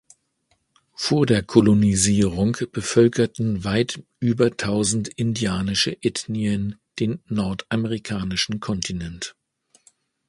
Vor der Kolonisierung bevölkerten weit über tausend indianische Ethnien den nordamerikanischen Kontinent.